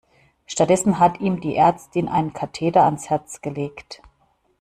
Stattdessen hat ihm die Ärztin einen Katheter ans Herz gelegt.